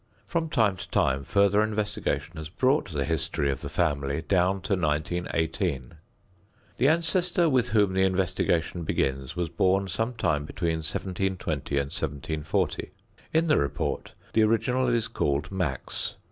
From time to time further investigation has brought the history of the family down to 1918. The ancestor with whom the investigation begins was born some time between 1720 and 1740. In the report the original is called "Max."